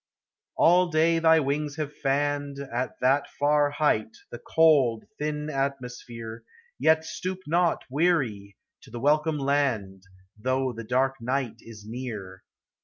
All day thy wings have fanned, At that far height, the cold, thin atmosphere, Yet stoop not, weary, to the welcome land, Though the dark night is near.